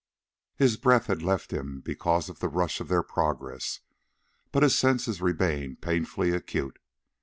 His breath had left him because of the rush of their progress, but his senses remained painfully acute.